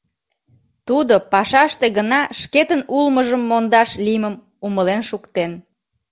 Тудо пашаште гына шкетын улмыжым мондаш лиймым умылен шуктен.